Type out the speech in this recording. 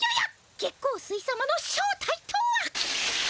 月光水様の正体とは。